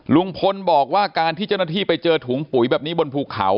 ลุงพลบอกว่าการที่เจ้าหน้าที่ไปเจอถุงปุ๋ยแบบนี้บนภูเขา